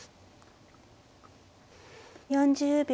４０秒。